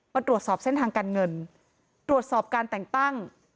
ตรวจสอบเส้นทางการเงินตรวจสอบการแต่งตั้ง